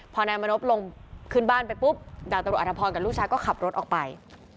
พอนายมนพลงขึ้นบ้านไปปุ๊บดาบตำรวจอธพรกับลูกชายก็ขับรถออกไป